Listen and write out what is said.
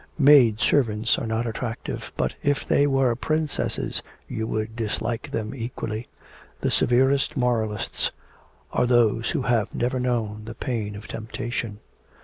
'Maid servants are not attractive; but if they were princesses you would dislike them equally. The severest moralists are those who have never known the pain of temptation.'